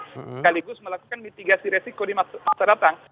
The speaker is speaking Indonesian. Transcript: sekaligus melakukan mitigasi resiko di masa datang